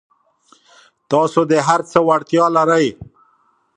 تاسو د هر څه وړتیا لرئ.